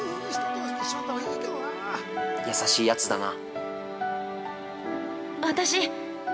◆優しいやつだな。